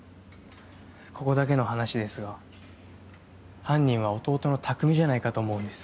ここだけの話ですが犯人は弟の拓三じゃないかと思うんです。